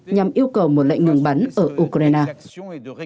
nhằm yêu cầu một lệnh ngừng bắn ở ukraine